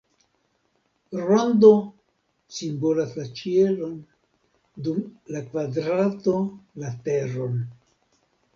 Rondo simbolas la ĉielon, dum la kvadrato la teron.